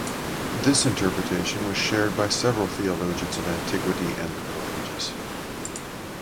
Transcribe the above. This interpretation was shared by several theologians of Antiquity and the Middle Ages.